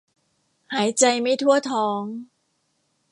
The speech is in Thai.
หายใจไม่ทั่วท้อง